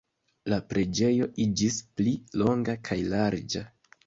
La preĝejo iĝis pli longa kaj larĝa.